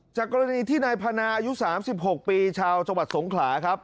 กรณีที่นายพนาอายุ๓๖ปีชาวจังหวัดสงขลาครับ